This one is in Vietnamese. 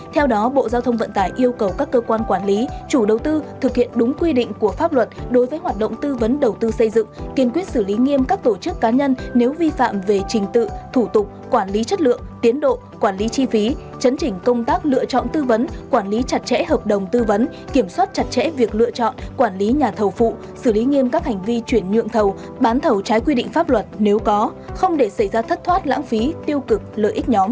theo đó bộ giao thông vận tải yêu cầu các cơ quan quản lý chủ đầu tư thực hiện đúng quy định của pháp luật đối với hoạt động tư vấn đầu tư xây dựng kiên quyết xử lý nghiêm các tổ chức cá nhân nếu vi phạm về trình tự thủ tục quản lý chất lượng tiến độ quản lý chi phí chấn chỉnh công tác lựa chọn tư vấn quản lý chặt chẽ hợp đồng tư vấn kiểm soát chặt chẽ việc lựa chọn quản lý nhà thầu phụ xử lý nghiêm các hành vi chuyển nhượng thầu bán thầu trái quy định pháp luật nếu có không để xảy ra thất thoát l